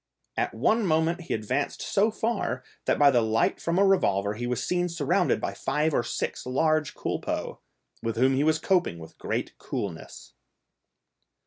At one moment he advanced so far, that by the light from a revolver he was seen surrounded by five or six large culpeux, with whom he was coping with great coolness.